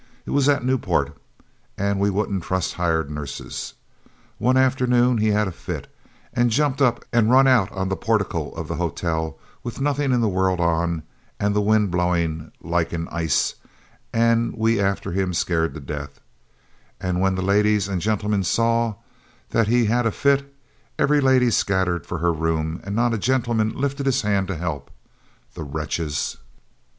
It was at Newport and we wouldn't trust hired nurses. One afternoon he had a fit, and jumped up and run out on the portico of the hotel with nothing in the world on and the wind a blowing like ice and we after him scared to death; and when the ladies and gentlemen saw that he had a fit, every lady scattered for her room and not a gentleman lifted his hand to help, the wretches!